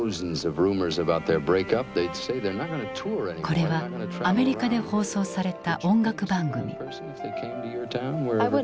これはアメリカで放送された音楽番組。